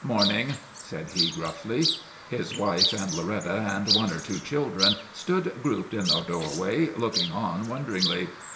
" Morning," said he, gruffly. His wife and Lor etta and one or two children stood grouped in the doorway, looking on wonderingly.